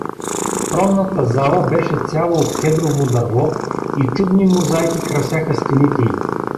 Тронната зала беше цяла от кедрово дърво и чудни мозайки красяха стените й.